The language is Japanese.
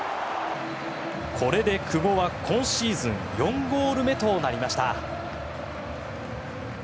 これで久保は今シーズン４ゴール目となりました。